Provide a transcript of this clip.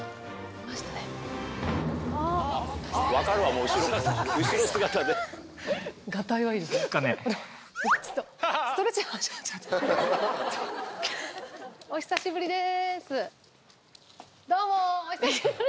どうもお久しぶりです。